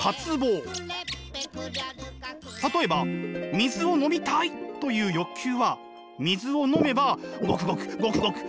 例えば水を飲みたいという欲求は水を飲めばゴクゴクゴクゴク。